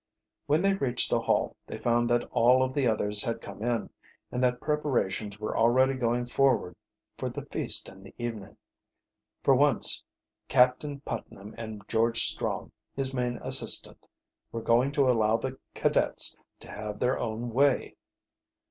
When they reached the Hall they found that all of the others had come in, and that preparations were already going forward for the feast in the evening. For once Captain Putnam and George Strong, his main assistant, were going to allow the cadets to have their own way.